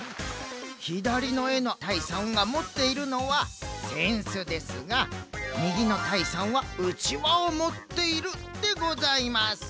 ひだりのえのたいさんがもっているのはせんすですがみぎのたいさんはうちわをもっているでございます。